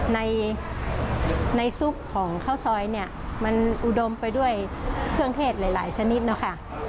ในซุปของข้าวซอยเนี่ยมันอุดมไปด้วยเครื่องเทศหลายชนิดนะคะ